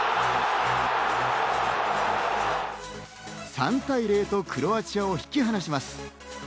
３対０とクロアチアを引き離します。